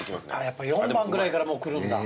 やっぱ４番ぐらいからもうくるんだ。